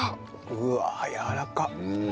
うわあやわらかっ。